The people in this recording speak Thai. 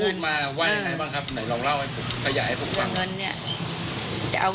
เผื่อเขายังไม่ได้งาน